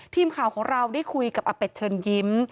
ทีมข่าวของเราได้คุยกับอเป็ดเชิญยิ้ม